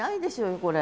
これ。